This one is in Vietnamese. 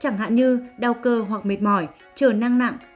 chẳng hạn như đau cơ hoặc mệt mỏi chờ năng nặng